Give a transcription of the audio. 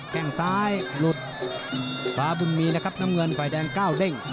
แค่งซ้ายหลุดขวาบุญมีนะครับน้ำเงินฝ่ายแดง๙เด้ง